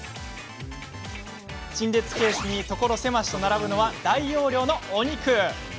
陳列ケースに所狭しと並ぶのは大容量の肉。